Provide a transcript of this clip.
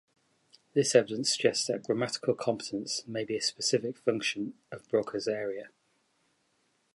This evidence suggests that grammatical competence may be a specific function of Broca's area.